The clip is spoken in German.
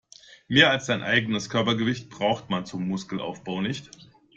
Mehr als das eigene Körpergewicht braucht man zum Muskelaufbau nicht.